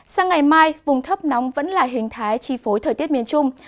sang ngày mai vùng thấp nóng vẫn là hình thái chi phối thời tiết miền trung